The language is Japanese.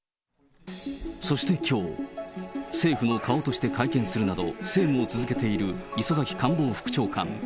そしてきょう、政府の顔として会見するなど、政務を続けている磯崎官房副長官。